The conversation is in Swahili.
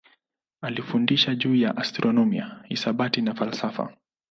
Alifundisha juu ya astronomia, hisabati na falsafa.